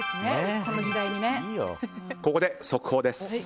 ここで速報です。